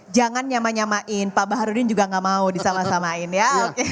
jangan nyama nyamain pak baharudin juga gak mau disama samain ya